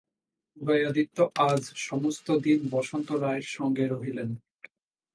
উদয়াদিত্য আজ সমস্ত দিন বসন্ত রায়ের সঙ্গে রহিলেন।